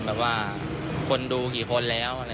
แบบว่าคนดูกี่คนแล้ว